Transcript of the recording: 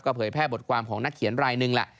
เผยแพร่บทความของนักเขียนรายหนึ่งแหละ